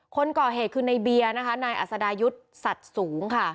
คนก่อเหตุคือในเบียร์นะคะนายอัศดายุทธ์สัตว์สูงค่ะ